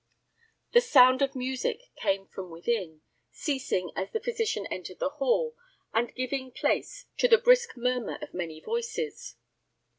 The sound of music came from within, ceasing as the physician entered the hall, and giving place to the brisk murmur of many voices.